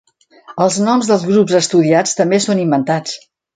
Els noms dels grups estudiats també són inventats.